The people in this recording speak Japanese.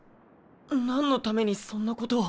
なんのためにそんなことを？